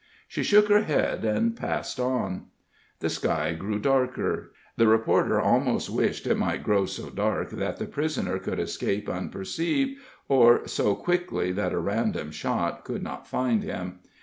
She shook her head and passed on. The sky grew darker. The reporter almost wished it might grow so dark that the prisoner could escape unperceived, or so quickly that a random shot could not find him.